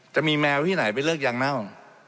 จะมีแมวที่ไหนไปเลิกยางเน่า